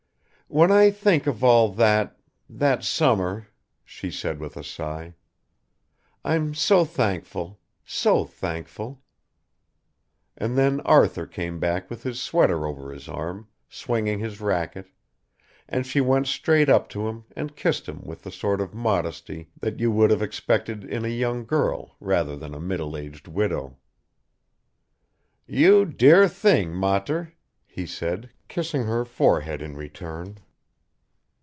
"When I think of all that ... that summer," she said with a sigh, "I'm so thankful ... so thankful." And then Arthur came back with his sweater over his arm, swinging his racket, and she went straight up to him and kissed him with the sort of modesty that you would have expected in a young girl rather than a middle aged widow. "You dear thing, Mater," he said, kissing her forehead in return.